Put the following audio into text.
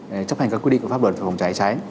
để chấp hành các quy định